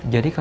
ya gitu kan